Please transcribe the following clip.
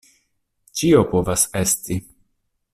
Ĉio povas esti!